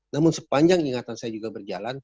namun sepanjang ingatan saya juga berjalan